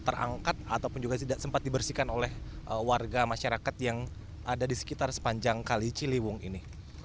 terangkat ataupun juga tidak sempat dibersihkan oleh warga masyarakat yang ada di sekitar sepanjang kali ciliwung ini